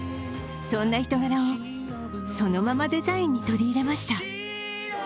そんな人柄を、そのままデザインに取り入れました。